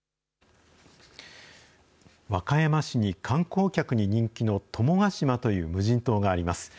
和歌山市に観光客に人気の友ヶ島という無人島があります。